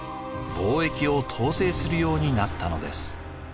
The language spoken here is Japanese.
貿易を統制するようになったのです。